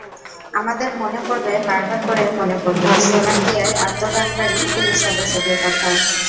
আমাদের মনে পড়বে, বারবার করে মনে পড়বে, শোলাকিয়ায় আত্মদানকারী পুলিশ সদস্যদের কথা।